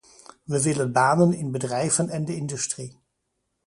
We willen banen in bedrijven en de industrie.